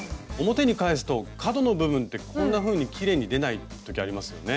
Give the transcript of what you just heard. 表に返すと角の部分ってこんなふうにきれいに出ない時ありますよね。